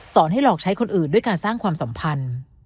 ให้หลอกใช้คนอื่นด้วยการสร้างความสัมพันธ์